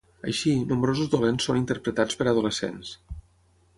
Així, nombrosos dolents són interpretats per adolescents.